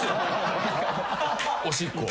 おしっこ。